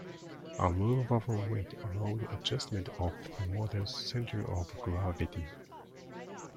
A movable weight allowed adjustment of the model's centre of gravity.